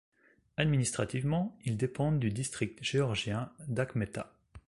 Administrativement, ils dépendent du district géorgien d’Akhmeta.